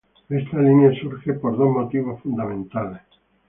Esta línea surge por dos motivos fundamentales.